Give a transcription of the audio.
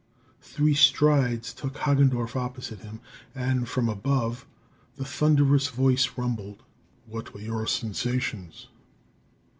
Three strides took Hagendorff opposite him; and from above the thunderous voice rumbled: "What were your sensations?"